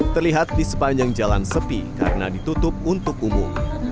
terlihat di sepanjang jalan sepi karena ditutup untuk umum